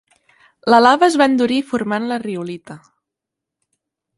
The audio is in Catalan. La lava es va endurir formant la riolita.